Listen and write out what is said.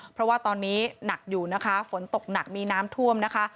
เพราะว่าตอนนี้หนักอยู่นะคะฝนตกหนักมีน้ำท่วมนะคะ